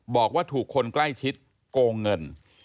บอกว่าถูกคนใกล้ชิดโกงเงิน